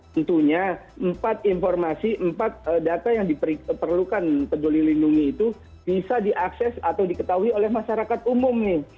tentunya empat informasi empat data yang diperlukan peduli lindungi itu bisa diakses atau diketahui oleh masyarakat umum nih